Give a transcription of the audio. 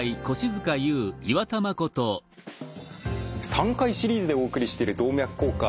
３回シリーズでお送りしている「動脈硬化」。